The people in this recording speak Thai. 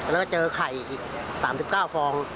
แล้วก็เจอไข่อีก๓๙ฟอง